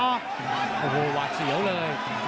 โอ้โหหวาดเสียวเลย